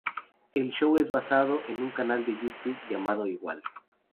El show es basado en un canal de Youtube llamado igual.